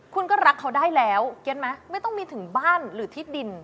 คุณก็รักเขาได้แล้วเก็ตไหมไม่ต้องมีถึงบ้านหรือที่ดิน